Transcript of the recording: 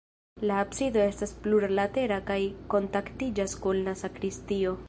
La absido estas plurlatera kaj kontaktiĝas kun la sakristio.